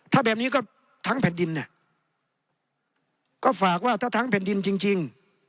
ถ้าแบบนี้ก็ทั้งแผ่นดินเนี่ยก็ฝากว่าถ้าทั้งแผ่นดินจริง